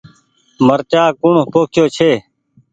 مرچآ ڪوڻ پوکيو ڇي۔